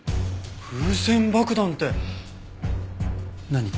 風船爆弾って何？